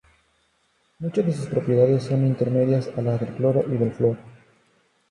Muchas de sus propiedades son intermedias a las del cloro y del flúor.